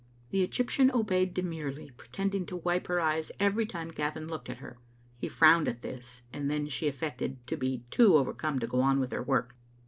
The Egyptian obeyed demurely, pretending to wipe her eyes every time Gavin looked at her. He frowned at this, and then she affected to be too overcome to go on with her work.